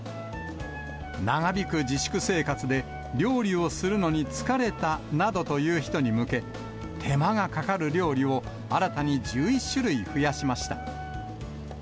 長引く自粛生活で、料理をするのに疲れたなどという人に向け、手間がかかる料理を新たに１１種類増やしました。